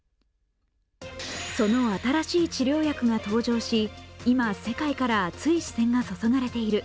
その新しい治療薬が登場し、今、世界から熱い視線が注がれている。